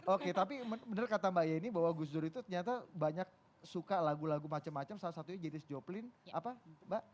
oke tapi benar kata mbak yeni bahwa gus dur itu ternyata banyak suka lagu lagu macam macam salah satunya jenis joplin apa mbak